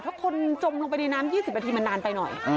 เพราะคนจมลงไปในน้ำ๒๐นาทีมันนานไปหน่อย